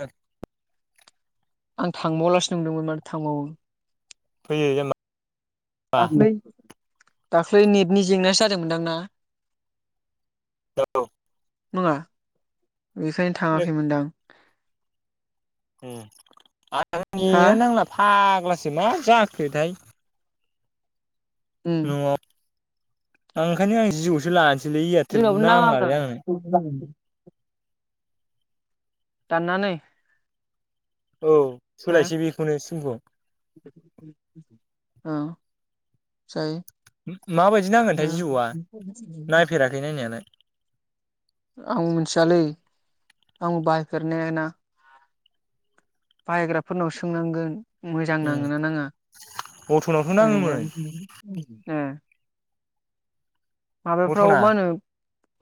होर आं थांबावालासो नुदोंमोन माथो थांबावो फैयो जामबा दाख्लै दाख्लै नेटनि जेंनायासो जादोंमोन दां ना? औ नङा बेखायनो थाङाखैमोनदां ओ आंना हा नेटआनो नांला फाग्लासो मा जाखोथाय उम न'आव ओंखायनो आं जिय'सो लानस सैलै इयारथेल जोंनावबो नाङाब्रा नांलालै आंनो दाननानै औ हो सोलायसै बेखौनो सिमख' ओं जायो उम ओ माबायदि नांगोनथाय जिय'आ खिन्थु नायफेराखै नायनायालाय आं मिथियालै आं बायफेरनाया ना बाहायग्राफोरनाव सोंनांगोन। मोजां उम नाङो नाङा अट'नावथ' नाङोमोन ओरैजाय औ औ ओ माबाफ्राव अट'ना मा होनो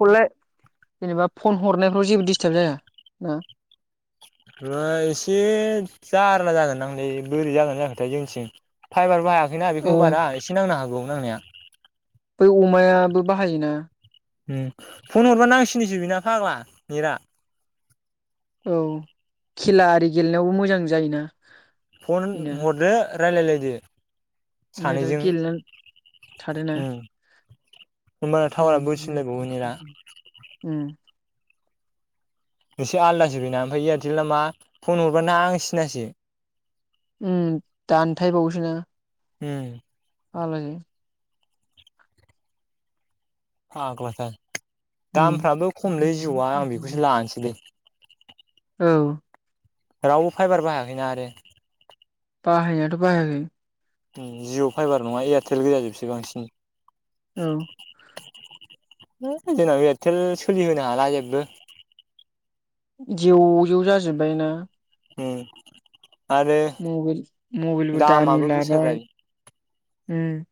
हरलाय जेनेबा फन हरनायफ्राव जेबो दिस्टाब जाया ना? नङा एसे जारला जागोन नांलै बोरै जागोन जाखोथाय जोंनिथिं फाइबारबो बाहायाखै ना ए बेखौ बारा एसे नांनो हागौमोन आंनिया। बै अमायाबो बाहायो ना उम फन हरबा नांसिनोसो बिना फाग्ला नेटआ। औ खेला आरि गेलेनायावबो मोजां जायोना। फन बेना हरदो रायलायलायदो। ओंखायथ' सानैजों गेलेनानै थादोना उम। होमबाना उम टावारा बोरसिनलायबावो नेटआ [unintelligible] उम। इसे आलदासो बेना ओमफाय एयारटेल ना मा फन हरबा नांसिनासो। उम दानथायबावोसो ना उम। आलायो फाग्लाथार। उम दामफ्राबो खमलै जिअ'वा आं बेखौसो लानोसैलै। औ। रावबो फाइबार बाहायाखै ना आरो बाहायनायाथ' बाहायाखै। उम जिअ' फाइभार नङा एयारटेल गोजाजोबसै बांसिन। औ। है जोंनाबो एयाटेल सोलिहोनो हाला जेबो जेव जेव जाजोबबाय ना। उम। आरो मबेल मबेलबो दामि दामाबो लाबाय। गोसाद्राय उम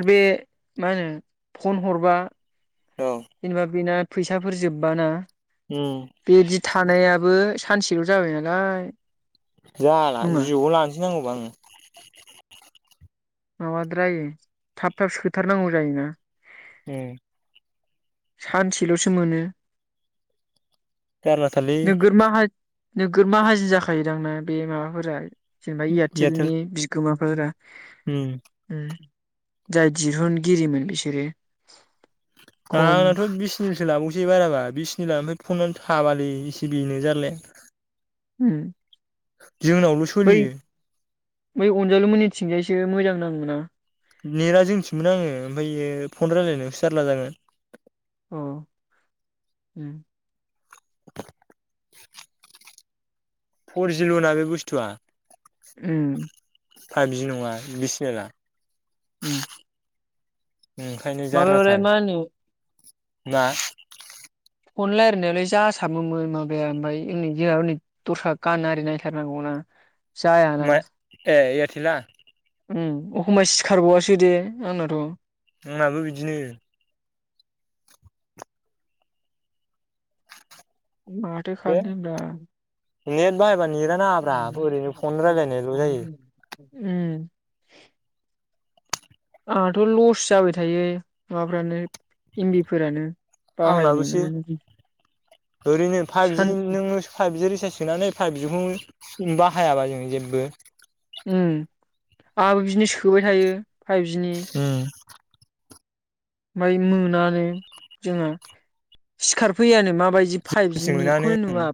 आरो बे मा होनो फन हरबा औ जेनेबा बेना फैसाफोर जोबबा ना उम। थानायाबो सानसेल' जाबाय नालाय। जाला नङा जिअ'खौ लानोसै नांगौबा आङो। माबा द्रायो थाब थाब सोथारनांगौ जायो ना। उम। सानसेल'सो मोनो। जारला थारलै। नोगोद माहाजो जाखायोदां ना बे माबाफोरा जेनेबा एयारटेल एयारटेलनि बिगोमाफोरा। उम उम जाय दिहुनगिरिमोन बिसोरो। खम आंनाथ' बिसिनि लाबावनोसै बाराबा बिस्निलानो फनानो थाबालै बिसिबिनि जारलाया। होम। जोंनावल' सलियो। बै अनजालुमोननिथिं जायसो मोजां नाङो नामा? नेटा जोंनिथिंबो नाङो ओमफायो फन रायलायनायावसो जारला जागोन। अ उम। फरजिल' ना बे बुस्थुआ। उम फाइभ जि नङा बिसिनेला। होम। ओंखायनो जारलाथार मा होनो ना। फन लायरायनायालाय जासाबोमोन माबाया ओमफाय [unintelligible] दस्रा गान आरि नायथार नांगौ ना। ओमफाय ए एयारथेला उम अखमबा सिखारबावासो दे आंनाथ'। आंनाबो बिदिनो। माथो बे खामनो आं दा नेट बाहायबानो नेटा नाङाब्रा ओरैनो फन रायलायनायल' जायो। उम। आंहाथ लस जाबाय थायो माबाफ्रानो एमबिफोरानो बाहायनो आंनाबोसो मोनोदि ओरैनो फाइभजि नोङो फाइभजि रिसारज सोनानै फाइभजि‌ खौ बाहायाबा जों जेबो उम आंहाबो बिदिनो सोबाय थायो फाइभजि नि ओमफाय मोनानो जोंहा सिखारफैयानो माबायदि रिसार्ज फाइभजि नेटखौनो मोनानो नुवा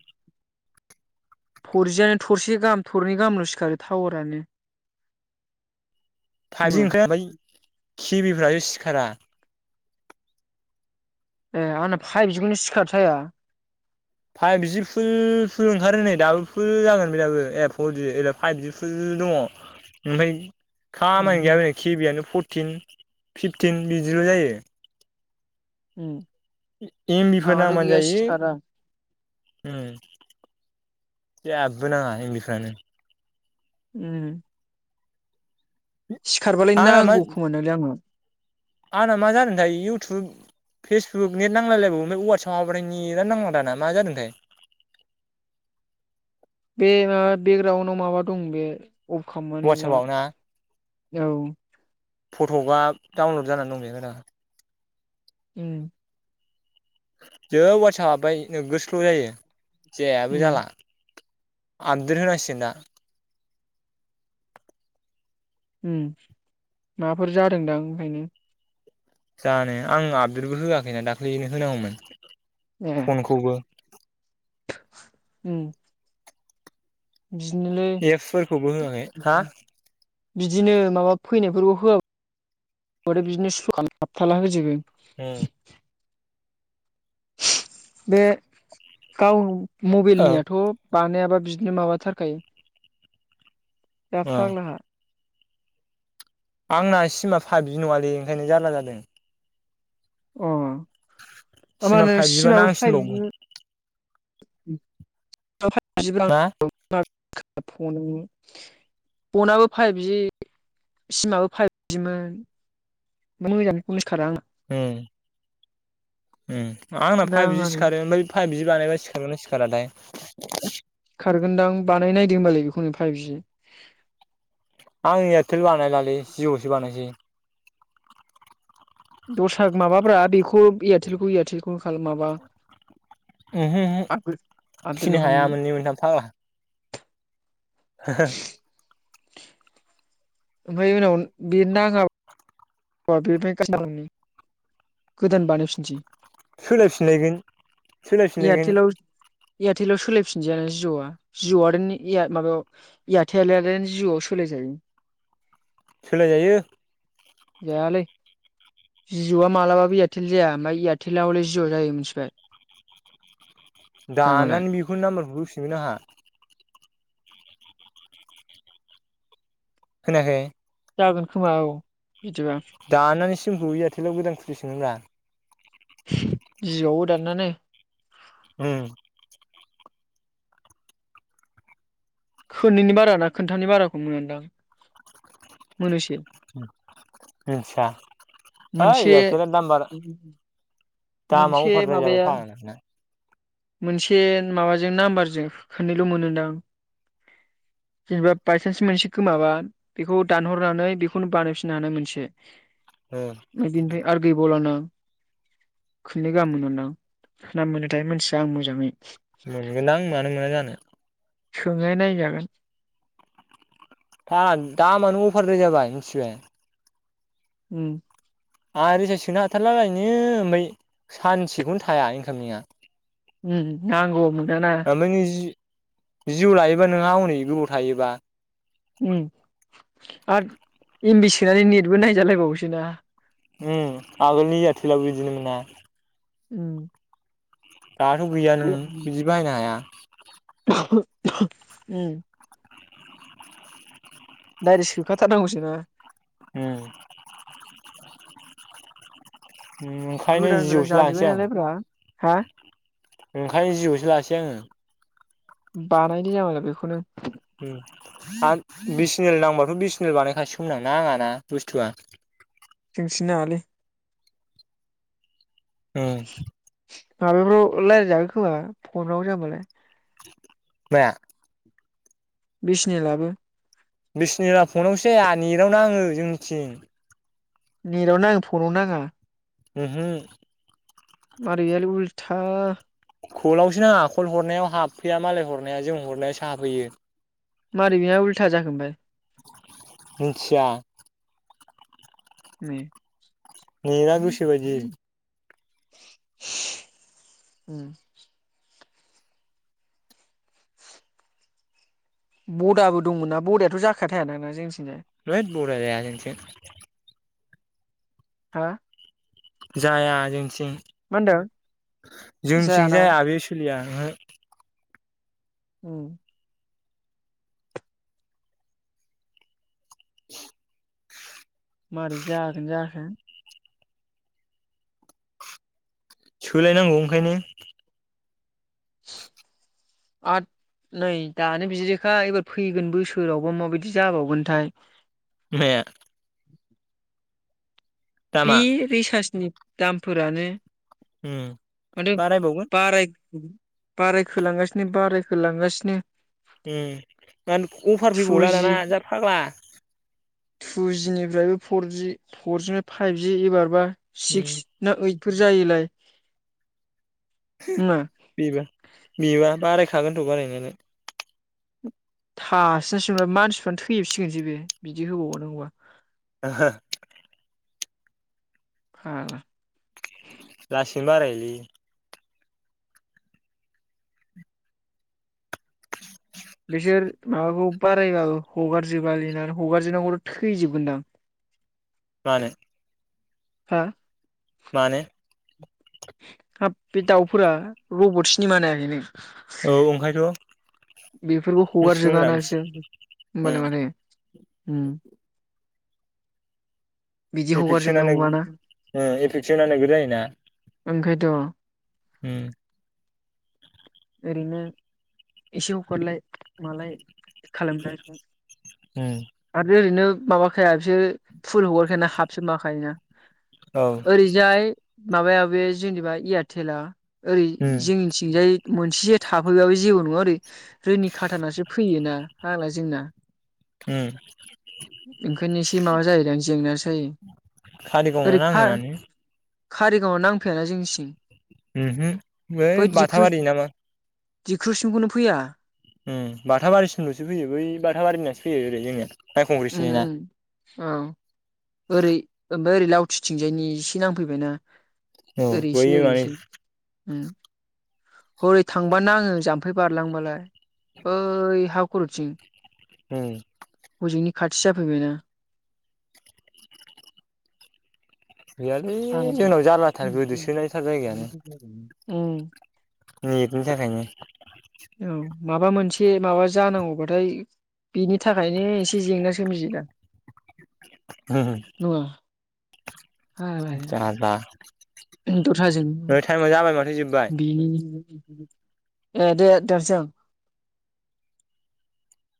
फरजियानो थरसे गाहाम थरनै गाहामल सिखारो टावारानो [inaudible] फाइजि नङा ओंख्रि जाय किबिफ्रासो सिखारा। ए आंना फाएफजि खौनो सिखार थाया। फाएभजि फुल फुल ओंखारो नै दाबो फुल जागोन बे दाबो ए फरजि फाइभजि फुल दङ ओमफ्राय खामानि गैया उम बेरनो केबिआनो फरटिन फिफटिन बिदिल जायो। होम। एमबिफोर नामबानो जायो ओम। जेबो नाङा एमबिफ्रानो। उम। सिखारबालाय आंना मा नांगौ खोमानालै आंनाव। आंना मा जादोंथाय इउटुब फेसबुक नेट नांलायलायबावो ओमफ्राय वाटससाबावथाय नेदानो नांला दाना मा जादोंथाय। [inaudible] बे माबा बेकग्राउडआव माबा दं बे अफ खामनानै ला वाट्सआपाव ना औ। जानानानै दं बेहायदा उम। जोब वातसाब हाबबाय नोगो स्ल जायो जेबो उम जाला। बुजिया ओम माबाफोर जादोंदां ओंखायनो जानो आं आपडेटबो होवाखैना दाख्लैनो होनांगौमोन ए फनखौबो उम बिदिनोलै एप्सफोरखौबो होआखै हा बिदिनो माबा फैनायफोरखौ होवाबाथाय बिदिनो सुख हाबथाला होजोबो ओम बे गाव मबाइलनियाथ' बानायाबा बिदिनो माबाथारखायो जा औ फाग्लाखा आंना सिमा फाइभ जि नङालै ओंखायनो जारला जादों अ हबा सिमा होनो फाइभजिबा सिमाबो फाइभ नांसिनबावगौ जिबो मा खोनाया फन फनाबो फाइभजि सिमाबो फाइभ जिमोन मोजाङैखौनो सिखारा आंना ओ ओ आंना फाइभ जि नाङानो सिखारो ओमफ्राय फाइभजि बानायबाय सिखारोना सिखाराथाय खारगोनदां बानाय नायदों होनोमबालाय बेखौनो फाइभजि आं एयारटेल बानायलालै जिअ'सो बानायसै दस्रा माबाब्रा बेखौ एयारटेलखौ एयारटेलखौ खालाम माबा ओहो-ओहो आपग्रेड आपदेटल' फिसिनो हाया खालामनो मोननै मोनथाम फाग्ला। हा हा ओमफ्राय उनाव बिर नाङा बि गोदान बानायफिननोसै सोलाय फिनलायगोन सोलाय फिनलायगोन एयारटेलाव एयारटेलाव सोलायफिनजायाना जिअ'आ जिअ'आय माबायाव एयारटेल जिअ' सोलाय जायो जायो सोलाय जायो जायालै जिअ'आ मालाबाबो इयारटेल जाया ओमफ्राय इयारटेल हले जिअ' जायो मिथिबाय दामालाय दाननानै बेखौ नाम्बारखौ होफिनगोन आंहा खोनायाखै जागोन खोमा औ। बिदिबा दाननानै सिमखौ इयारथेलाव गोदान खुुलिफिनगोनना जि आवबो दानना नाय उम खुननैनि बाराना खोन्थामनि बाराखौ मोनदां मोननैसो मोनथिया है मोनसे जायखिजाया नामबार दामा मोनसे अभारद्राय जाबाय माबाया फाग्लानो मोनसे माबाजों नाम्बारजों खोननैल' मोनोदां। जेनेबा बायसान्स मोनसे गोमाबा बेखौ दानहरनानै बेखौनो बानायफिननो हानाय मोनसे ओ बेनिफ्राय आरो गैबावलाना खुननै गाहाम मोनोदां ना मोनोथाय मोनथिया आं मोजाङै मोनगोनदां आं मानो मोना जानो। सोंनाय नायजागोन दा दामानो अभारद्राय जाबाय मिथिबाय उम आंहा रिसास सोनो हाथारला ओरैनो ओमफ्राय सानसेखौनो थाया इनकामिंया उम नांगौ। मोनाना ओमफ्राय नों जि जिअ' लायोबा नोंहा हनै गोबाव थायोबा ओम आरो एमबि सोनानै नेटबो नायजालायबावोसोन ना? ओम आगोलनि एयारतेलाबो बिदिनो मोना। ओम। दाथ' गैया नों बिदि बाहायनो हाया। ओम। डाइरेक्ट सोखाथारनांगौसो ना? होम। ओंखायनो गोदान गोदान जिअ'सो लानोसै आं जाजबोालायब्रा। ओंखायनो जिय'सो लासै आङो बानायनि आं बेखौनो आरो बिएसेनेल नांबाथ' बिसिनेल बानायखासिगौमोन नाङाना बुस्थुआ जोंथिं नाङालै होम माबाफ्राव रायज्लायजागो खोमा फनाव जाबालाय मा बिसेनेलाबो बिसनि फनावसो‌ जाया नेटावनो नाङो जोंनिथिं नेटाव नाङो फनाव नाङा ओहो मारैयालि उल्टा खलावसो नङा खल हरनायाव हाबफैया मालाय हरनाया जों हरनायाव सो हाबफैयो मारै बिहा उल्था जाखो बाय मिथिया ओम नेटा गोसोबायदि उम बडाबो दंमोन नना बडायाथ' जाखाया थायाना ना जोंनिथिंजाय? [unintelligible] हा जाया जोंनिथिं मा होनदों जोंनिथिं जायाना जाया बे सोलिया ओहो उम [inaudible] मारै जागोन जाखो। सोलायनांगौ ओंखायनो। [inaudible] आद नै दानो बिदिखा एबार फैगोन बोसोरावबो माबायदि जाबावगोनथाय। माया बे दामा रिसार्जनि दामफोरानो। ओम माथो बाराय बावगोन। बाराय बारायखोलांगासिनो बारायखोलांगासिनो। ओम अफार फैबावला दाना जा फाग्ला। टु जि निफ्रायबो फरजि फरजिनि फाइभजि एबारबा सिक्स बेबो ना ओइट? फोर जायोलाय। होमा बिबा बिबा बारायखागोनथ' बारायनायालाय। थासिनायसो नंलाबे मानसिफ्रानो थैहोबसिगोनसो बे बिदि होबावानो नांगौबा। ओहो ओम लासिनो बारायो लै बिसोर माबाखौ बारायबाबो हगारजोबालै ना हगारजोबनांगौथ थैजोबगोनदां। मानो? हा मानो? हाब बे दाउफोरा रबट सिनिमानायाखै नों औ ओंखायथ' बेफोरखौ हगारजोबा ना इसोर होमबालाय माने उम बिदि इफेकसनानो हगारजोबनांगौआना ओ इफेकसनानो इफोर जायोना? ओंखायथ' होम ओरैनो एसे हफोरलाय मालाय खालामगासिनो उम आरो ओरैनो। माबाखाया बिसोर फुल हगारखायाना हाबसो माबाखायो ना औ ओरैजाय माबाया बे जेनेबा एयारटेला ओरै उम जोंनिथिंजाय मोनसे थाफैबाबो जेबो नंङा ओरै रोनि खाथानासो फैयोना‌ फाग्ला जोंना। उम ओंखायनो एसे माबा जायोदां जेंनाजायो। खारिगावनो नाङोआनो खारिगावना नांफैयाना जोंनि थिं। उमहो ओइ बाथाबारि नामा जिख्रुसिमखौनो फैया उम बाथाबारिसिमलसो फैयो बै बाथाबारिनिनासो फैयो ओरै जोंनिया माइखंग्रि उम थिंजायना। उम औ ओरै ओमफ्राय ओरै लावथि थिंजायनि एसे नांफैबायना औ ओरै बै इसि ओरै माने इसि हरै थांबा नांङो जाम्फै बारलांबालाय बै हा खर'थिं। उं होजोंनि खाथि जाफैबायना गैयालै जोंनाव जारलाथार गोदोसोनायथार जायगायानो उम नेटनि थाखायनो औ माबा मोनसे माबा जानांगौबाथाय बेनि थाखायनो एसे जेंना सोमजियो दा नङा जाला दथाजों नै टाइमा जाबाय माथो जोब्बाय बिनि ए दे देरजों